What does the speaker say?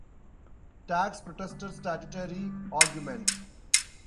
Tax protester statutory arguments.